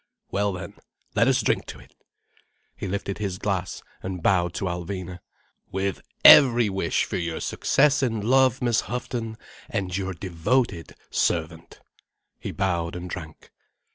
Well then, let us drink to it." He lifted his glass, and bowed to Alvina. "With every wish for your success in love, Miss Houghton, and your devoted servant—" He bowed and drank.